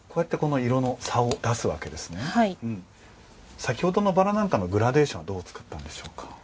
先ほどのバラなんかのグラデーションはどう作ったんでしょうか？